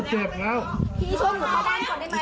พี่ช่วยขนาดบ้านก่อนได้ไหม